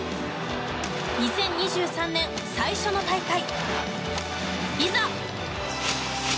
２０２３年最初の大会、いざ！